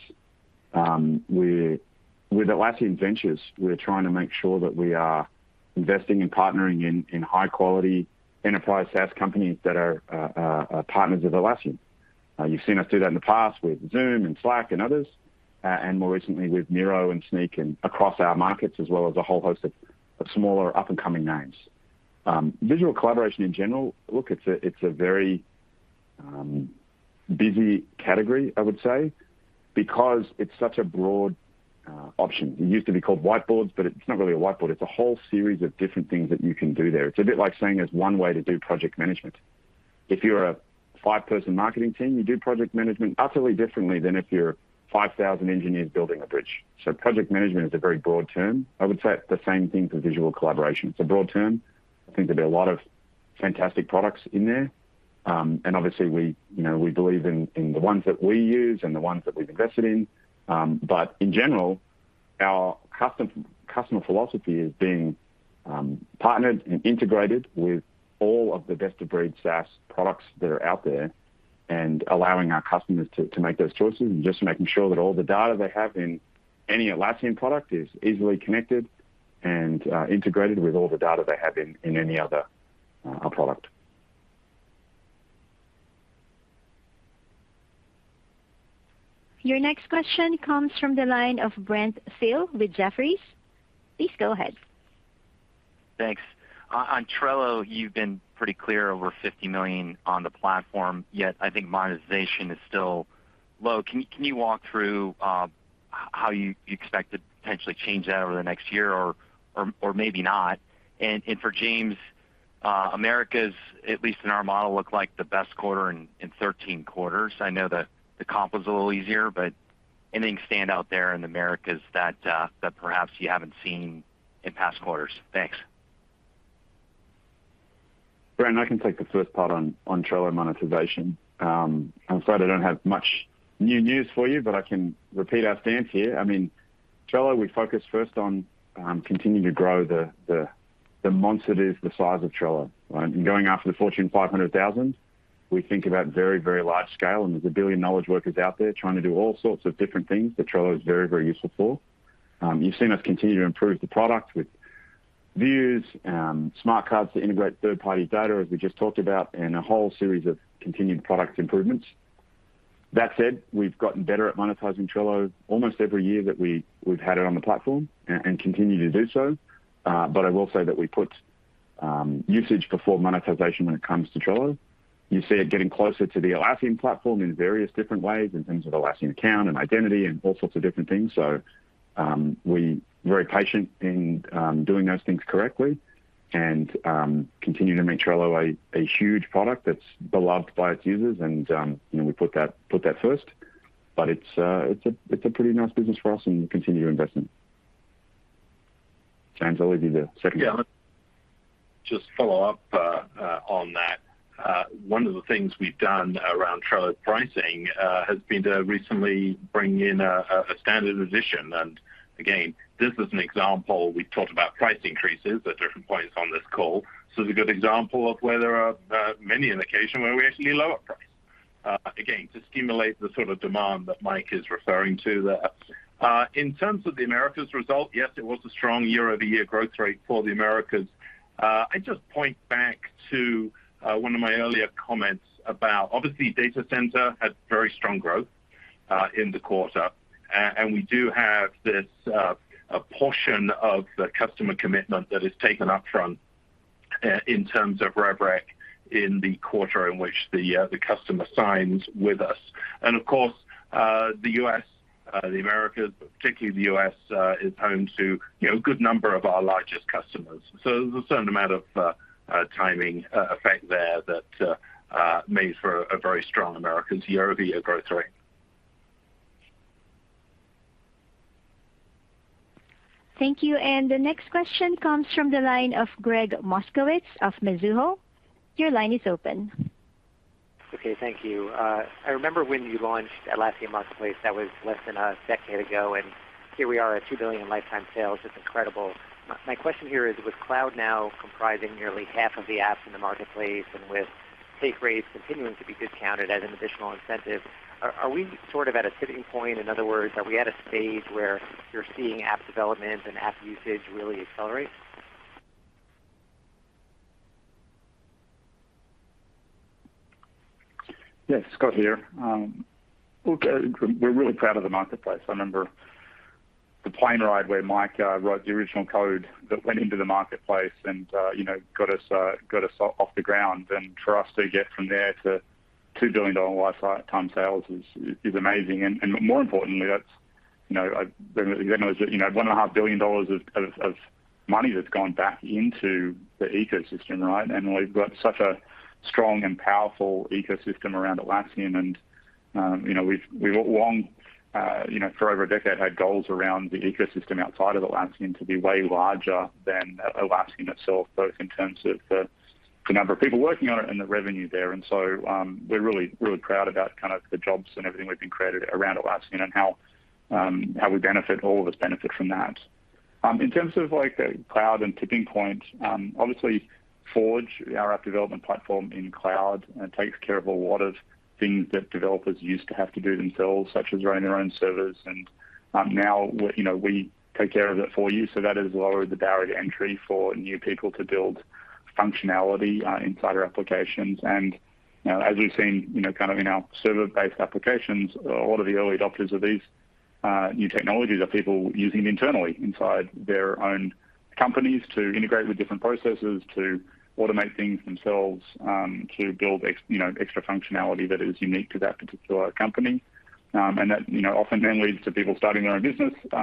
With Atlassian Ventures, we're trying to make sure that we are investing and partnering in high quality enterprise SaaS companies that are partners with Atlassian. You've seen us do that in the past with Zoom and Slack and others, and more recently with Miro and Snyk and across our markets, as well as a whole host of smaller up-and-coming names. Visual collaboration in general, look, it's a very busy category, I would say, because it's such a broad option. It used to be called whiteboards, but it's not really a whiteboard. It's a whole series of different things that you can do there. It's a bit like saying there's one way to do project management. If you're a five-person marketing team, you do project management utterly differently than if you're 5,000 engineers building a bridge. Project management is a very broad term. I would say the same thing for visual collaboration. It's a broad term. I think there'll be a lot of fantastic products in there. Obviously we, you know, we believe in in the ones that we use and the ones that we've invested in. In general, our customer philosophy is being partnered and integrated with all of the best-of-breed SaaS products that are out there and allowing our customers to make those choices and just making sure that all the data they have in any Atlassian product is easily connected and integrated with all the data they have in any other product. Thanks. On Trello, you've been pretty clear over 50 million on the platform, yet I think monetization is still low. Can you walk through how you expect to potentially change that over the next year or maybe not? For James, Americas, at least in our model, look like the best quarter in 13 quarters. I know the comp was a little easier, but anything stand out there in Americas that perhaps you haven't seen in past quarters? Thanks. Brent, I can take the first part on Trello monetization. I'm afraid I don't have much new news for you, but I can repeat our stance here. I mean, Trello, we focus first on continuing to grow the monster size of Trello, right? Going after the Fortune 500,000, we think about very, very large scale, and there's 1 billion knowledge workers out there trying to do all sorts of different things that Trello is very, very useful for. You've seen us continue to improve the product with views, smart cards to integrate third-party data, as we just talked about, and a whole series of continued product improvements. That said, we've gotten better at monetizing Trello almost every year that we've had it on the platform and continue to do so. I will say that we put usage before monetization when it comes to Trello. You see it getting closer to the Atlassian platform in various different ways in terms of Atlassian account and identity and all sorts of different things. We're very patient in doing those things correctly and continue to make Trello a huge product that's beloved by its users and, you know, we put that first. It's a pretty nice business for us and we continue to invest in. James, I'll leave you the second part. Yeah. Just follow up on that. One of the things we've done around Trello pricing has been to recently bring in a standard edition. Again, this is an example. We've talked about price increases at different points on this call. It's a good example of where there are many occasions where we actually lower price again to stimulate the sort of demand that Mike is referring to there. In terms of the Americas result, yes, it was a strong year-over-year growth rate for the Americas. I just point back to one of my earlier comments about obviously Data Center had very strong growth in the quarter. We do have this, a portion of the customer commitment that is taken up front, in terms of rev rec in the quarter in which the customer signs with us. Of course, the U.S., the Americas, particularly the U.S., is home to, you know, a good number of our largest customers. There's a certain amount of timing effect there that made for a very strong Americas year-over-year growth rate. Okay. Thank you. I remember when you launched Atlassian Marketplace, that was less than a decade ago, and here we are at $2 billion in lifetime sales. It's incredible. My question here is, with cloud now comprising nearly half of the apps in the marketplace and with SaaS rates continuing to be discounted as an additional incentive, are we sort of at a tipping point? In other words, are we at a stage where you're seeing app development and app usage really accelerate? Yes, Scott here. Look, we're really proud of the marketplace. I remember the plane ride where Mike wrote the original code that went into the marketplace and, you know, got us off the ground. For us to get from there to $2 billion lifetime sales is amazing. More importantly, that's, you know, $1.5 billion of money that's gone back into the ecosystem, right? We've got such a strong and powerful ecosystem around Atlassian. You know, we've long, you know, for over a decade had goals around the ecosystem outside of Atlassian to be way larger than Atlassian itself, both in terms of the number of people working on it and the revenue there. We're really proud about kind of the jobs and everything we've been created around Atlassian and how we benefit, all of us benefit from that. In terms of like the cloud and tipping point, obviously Forge, our app development platform in cloud, takes care of a lot of things that developers used to have to do themselves, such as running their own servers. Now we, you know, we take care of it for you. That has lowered the barrier to entry for new people to build functionality inside our applications. You know, as we've seen, you know, kind of in our server-based applications, a lot of the early adopters of these new technologies are people using internally inside their own companies to integrate with different processes, to automate things themselves, to build extra functionality that is unique to that particular company. That, you know, often then leads to people starting their own business, you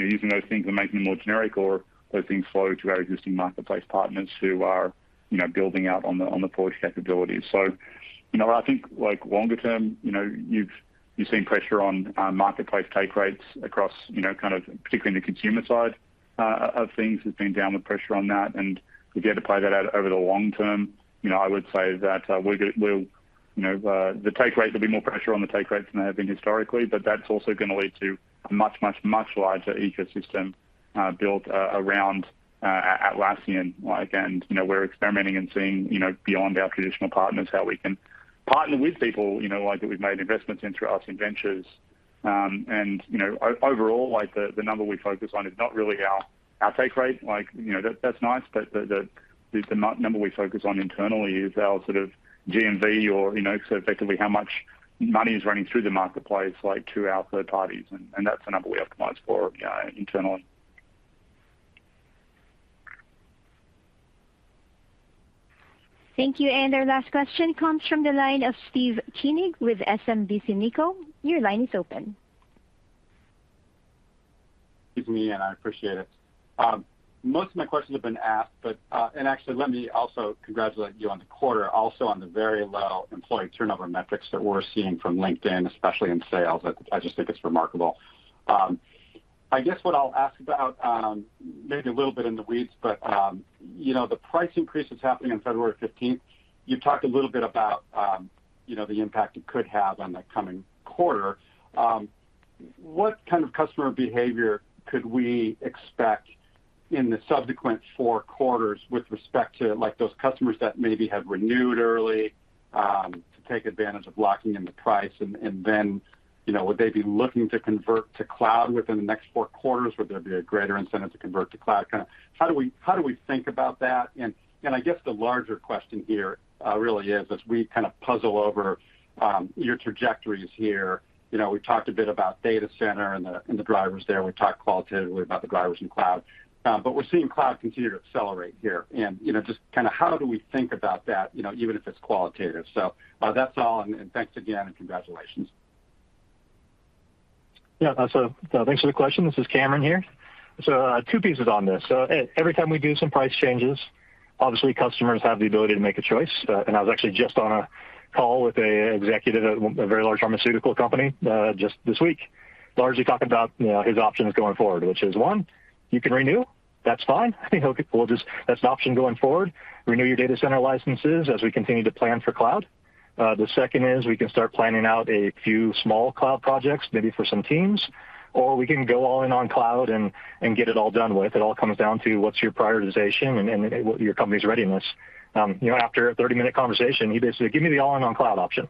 know, using those things and making them more generic, or those things flow to our existing marketplace partners who are, you know, building out on the Forge capabilities. You know, I think like longer term, you know, you've seen pressure on marketplace take rates across, you know, kind of particularly in the consumer side of things. There's been downward pressure on that, and if you had to play that out over the long term, you know, I would say that the take rate, there'll be more pressure on the take rates than there have been historically, but that's also gonna lead to a much larger ecosystem built around Atlassian. Like, you know, we're experimenting and seeing, you know, beyond our traditional partners, how we can partner with people, you know, like that we've made investments in through Atlassian Ventures. You know, overall, like the number we focus on is not really our take rate. Like, you know, that's nice, but the number we focus on internally is our sort of GMV or, you know, so effectively how much money is running through the marketplace to our third parties. That's the number we optimize for internally. Excuse me. I appreciate it. Most of my questions have been asked, but and actually let me also congratulate you on the quarter also on the very low employee turnover metrics that we're seeing from LinkedIn, especially in sales. I just think it's remarkable. I guess what I'll ask about, maybe a little bit in the weeds, but you know, the price increase that's happening on February fifteenth. You've talked a little bit about you know, the impact it could have on the coming quarter. What kind of customer behavior could we expect in the subsequent four quarters with respect to like those customers that maybe have renewed early to take advantage of locking in the price and then you know, would they be looking to convert to cloud within the next four quarters? Would there be a greater incentive to convert to cloud? Kinda how do we think about that? I guess the larger question here really is as we kind of puzzle over your trajectories here. You know, we've talked a bit about data center and the drivers there. We've talked qualitatively about the drivers in cloud. But we're seeing cloud continue to accelerate here and, you know, just kinda how do we think about that, you know, even if it's qualitative. That's all. Thanks again and congratulations. Yeah, thanks for the question. This is Cameron here. Two pieces on this. Every time we do some price changes, obviously customers have the ability to make a choice. I was actually just on a call with an executive at a very large pharmaceutical company just this week, largely talking about, you know, his options going forward, which is one, you can renew, that's fine. You know, we'll just. That's an option going forward. Renew your Data Center licenses as we continue to plan for Cloud. The second is we can start planning out a few small Cloud projects, maybe for some teams, or we can go all in on Cloud and get it all done with. It all comes down to what's your prioritization and your company's readiness. You know, after a 30-minute conversation, he basically said, "Give me the all in on cloud option.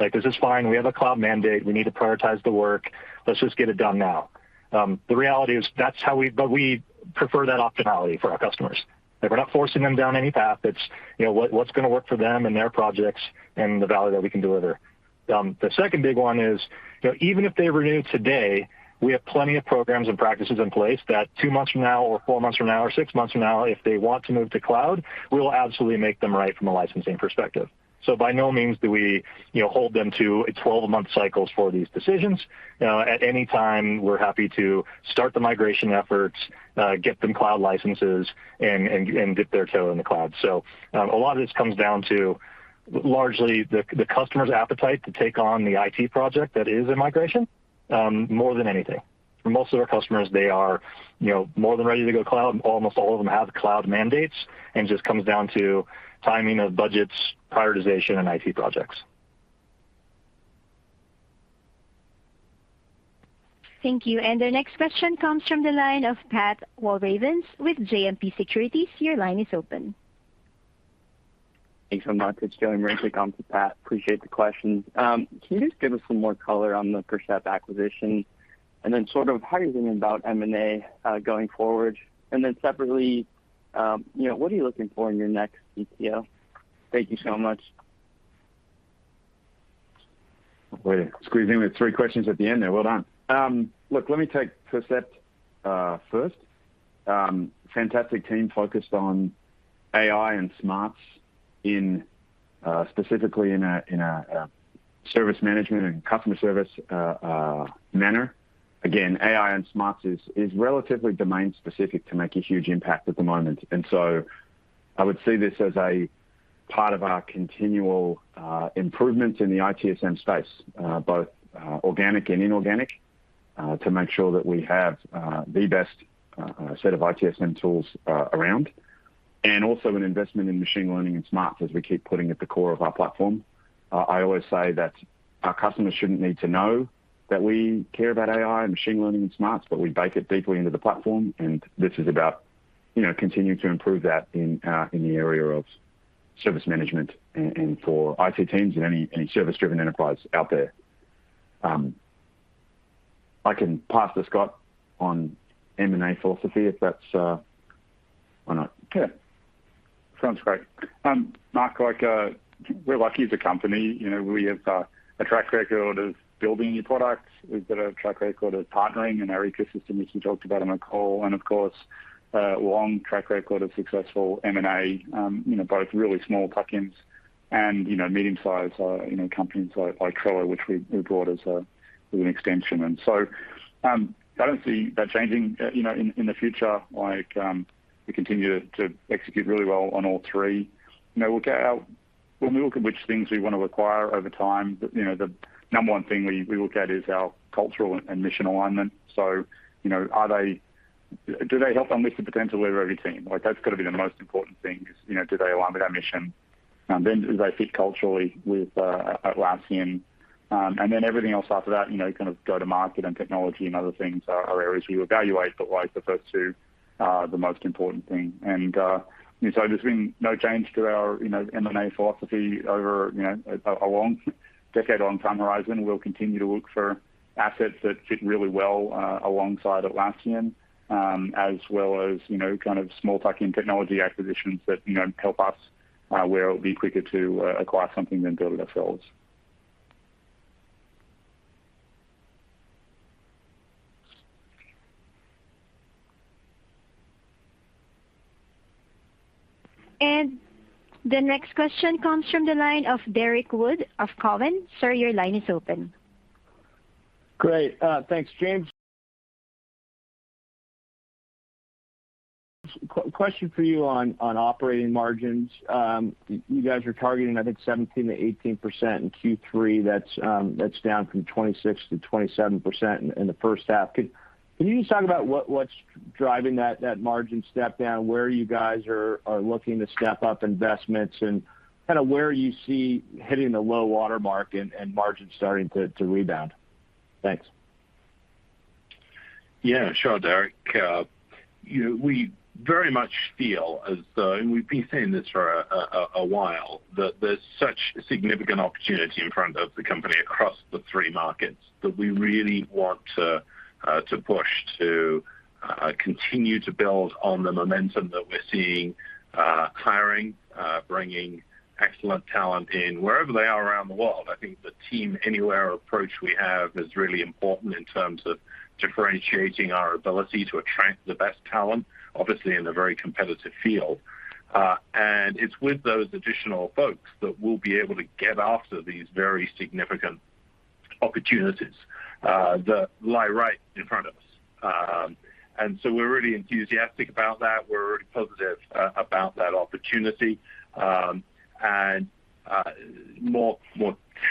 Like, this is fine. We have a cloud mandate. We need to prioritize the work. Let's just get it done now." The reality is that's how we prefer that optionality for our customers. Like, we're not forcing them down any path. It's, you know, what's gonna work for them and their projects and the value that we can deliver. The second big one is, you know, even if they renew today, we have plenty of programs and practices in place that two months from now or four months from now or six months from now, if they want to move to cloud, we will absolutely make them right from a licensing perspective. By no means do we hold them to a 12-month cycles for these decisions. At any time, we're happy to start the migration efforts, get them cloud licenses and dip their toe in the cloud. A lot of this comes down to largely the customer's appetite to take on the IT project that is a migration, more than anything. For most of our customers, they are more than ready to go cloud. Almost all of them have cloud mandates and just comes down to timing of budgets, prioritization, and IT projects. Thanks so much. It's Joey Marincek. On for Pat. Appreciate the questions. Can you just give us some more color on the Percept.AI acquisition? And then sort of how are you thinking about M&A going forward? And then separately, you know, what are you looking for in your next CTO? Thank you so much. Well, you squeezed in with three questions at the end there. Well done. Look, let me take Percept.AI first. Fantastic team focused on AI and smarts in specifically in a service management and customer service manner. Again, AI and smarts is relatively domain specific to make a huge impact at the moment. I would see this as a part of our continual improvement in the ITSM space, both organic and inorganic, to make sure that we have the best set of ITSM tools around, and also an investment in machine learning and smarts as we keep putting at the core of our platform. I always say that our customers shouldn't need to know that we care about AI and machine learning and smarts, but we bake it deeply into the platform, and this is about, you know, continuing to improve that in the area of service management and for IT teams in any service-driven enterprise out there. I can pass to Scott on M&A philosophy if that's. Why not? Yeah. Sounds great. Mark, like, we're lucky as a company, you know, we have a track record of building new products. We've got a track record of partnering in our ecosystem, which we talked about on the call. Of course, a long track record of successful M&A, you know, both really small tuck-ins and, you know, medium-sized, you know, companies like Trello, which we bought as an extension. I don't see that changing, you know, in the future. Like, we continue to execute really well on all three. You know, when we look at which things we want to acquire over time, you know, the number one thing we look at is our cultural and mission alignment. You know, do they help unleash the potential of every team? Like, that's got to be the most important thing is, you know, do they align with our mission? Then do they fit culturally with Atlassian? And then everything else after that, you know, kind of go to market and technology and other things are areas we evaluate, but like the first two are the most important thing. There's been no change to our, you know, M&A philosophy over, you know, a long decade-long time horizon. We'll continue to look for assets that fit really well alongside Atlassian, as well as, you know, kind of small tuck-in technology acquisitions that, you know, help us where it'll be quicker to acquire something than build it ourselves. Great. Thanks. James. Question for you on operating margins. You guys are targeting, I think 17%-18% in Q3. That's down from 26%-27% in the first half. Could you just talk about what's driving that margin step down, where you guys are looking to step up investments and kind of where you see hitting the low water mark and margins starting to rebound? Thanks. Yeah, sure, Derrick. You know, we very much feel as though, and we've been saying this for a while, that there's such significant opportunity in front of the company across the three markets that we really want to continue to build on the momentum that we're seeing, hiring, bringing excellent talent in wherever they are around the world. I think the Team Anywhere approach we have is really important in terms of differentiating our ability to attract the best talent, obviously in a very competitive field. It's with those additional folks that we'll be able to get after these very significant opportunities that lie right in front of us. We're really enthusiastic about that. We're really positive about that opportunity. More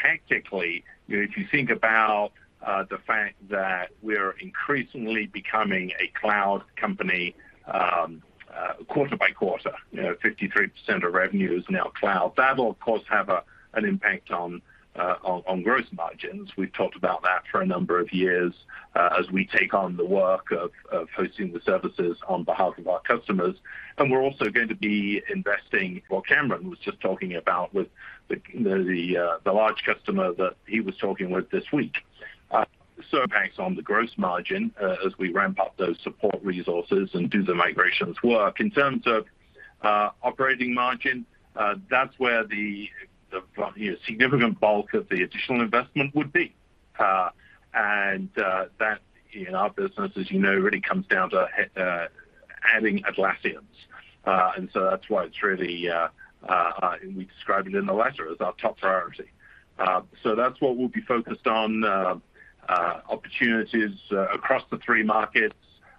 tactically, you know, if you think about the fact that we're increasingly becoming a cloud company, quarter by quarter, you know, 53% of revenue is now cloud. That will of course have an impact on gross margins. We've talked about that for a number of years, as we take on the work of hosting the services on behalf of our customers. We're also going to be investing what Cameron was just talking about with the large customer that he was talking with this week. So it impacts on the gross margin, as we ramp up those support resources and do the migrations work. In terms of operating margin, that's where the significant bulk of the additional investment would be. That, in our business, as you know, really comes down to adding Atlassians. That's why we describe it in the letter as our top priority. That's what we'll be focused on, opportunities across the three markets.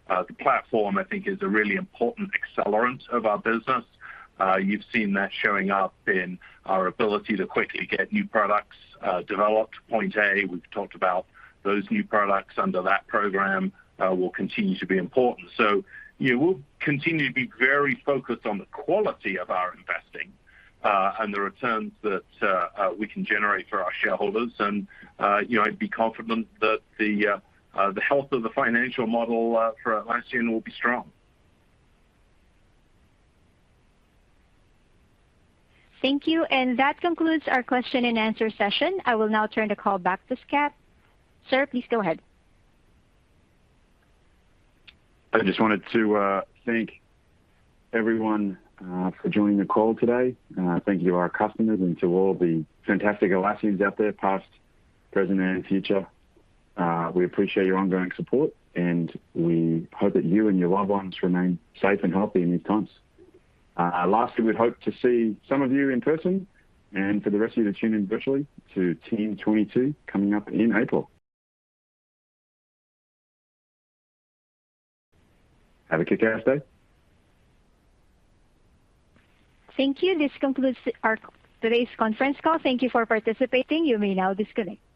The platform I think is a really important accelerant of our business. You've seen that showing up in our ability to quickly get new products developed. Point A, we've talked about those new products under that program, will continue to be important. We'll continue to be very focused on the quality of our investing and the returns that we can generate for our shareholders. You know, I'd be confident that the health of the financial model for Atlassian will be strong. I just wanted to thank everyone for joining the call today. Thank you to our customers and to all the fantastic Atlassians out there, past, present, and future. We appreciate your ongoing support, and we hope that you and your loved ones remain safe and healthy in these times. Lastly, we hope to see some of you in person and for the rest of you to tune in virtually to Team '22 coming up in April. Have a good rest of the day.